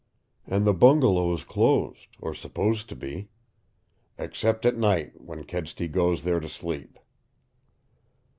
"And the bungalow is closed, or supposed to be." "Except at night, when Kedsty goes there to sleep."